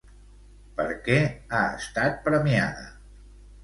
Per què ha estat premiada?